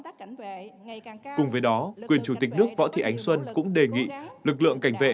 cùng với đó quyền chủ tịch nước võ thị ánh xuân cũng đề nghị lực lượng cảnh vệ